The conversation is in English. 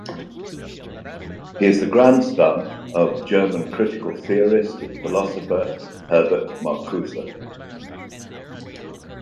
He is the grandson of German critical theorist and philosopher Herbert Marcuse.